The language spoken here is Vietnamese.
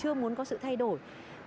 chưa muốn có sự thay đổi